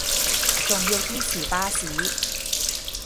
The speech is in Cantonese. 仲要堅持巴士